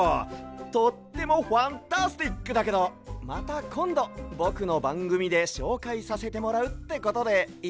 とってもファンタスティックだけどまたこんどぼくのばんぐみでしょうかいさせてもらうってことでいいかな？